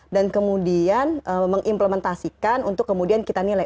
dan kemudian mengimplementasikan untuk kemudian kita nilai